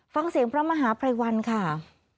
ฟังเสียงพระมหาภัยวันค่ะ